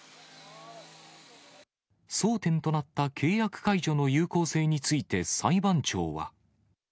争点となった契約解除の有効性について、裁判長は。